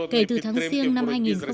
kể từ tháng giêng năm hai nghìn một mươi sáu